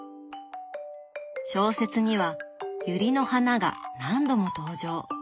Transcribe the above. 小説にはゆりの花が何度も登場。